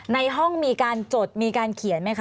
ในห้องมีการจดมีการเขียนไหมคะ